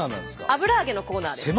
油揚げのコーナーです。